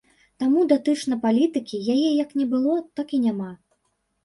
Таму, датычна палітыкі, яе як не было, так і няма.